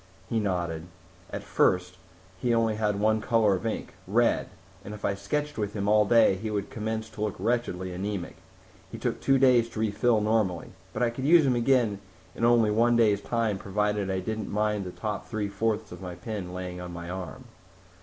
He nodded. "At first he only had one color of ink red and if I sketched with him all day he would commence to look wretchedly anemic. He took two days to refill, normally. But I could use him again in only one day's time provided I didn't mind the top three fourths of my pen laying on my arm."